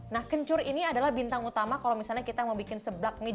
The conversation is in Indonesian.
nah kencur ini adalah bintang utama kalau misalnya kita mau bikin seblak mie